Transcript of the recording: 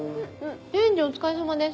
店長お疲れさまです。